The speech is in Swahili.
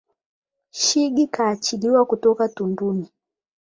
Shigi kaachiliwa kutoka tunduni